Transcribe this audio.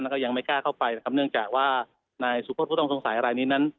แล้วก็ยังไม่กล้าเข้าไปนะครับเนื่องจากว่านายสุพธิ์ผู้ต้องสงสัยอะไรนี้นั้น